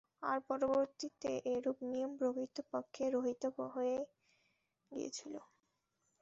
আর পরবর্তীতে এরূপ নিয়ম প্রকৃত পক্ষে রহিত হয়ে গিয়েছিল।